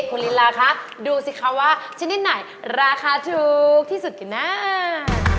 ขอลีลาระคะดูสิคะว่าชนิดไหนราคาถูกที่สุดมาก